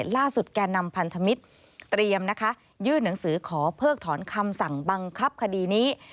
แก่นำพันธมิตรเตรียมนะคะยื่นหนังสือขอเพิกถอนคำสั่งบังคับคดีนี้